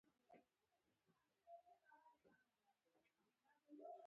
دوی د توازن سیاست پرمخ وړي.